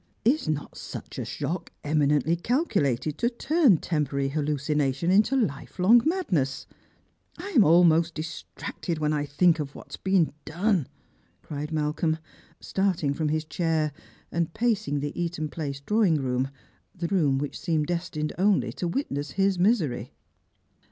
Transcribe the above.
Is not such a Bhock eminently calculated to turn temporary hallucination into life long madness ? I am almost distracted when I think of what h is been done !" cried Malcolm, starting from his ehair, and pacing the Saton place drawing room — the room ivhich seeiTied destined only to witness his misery.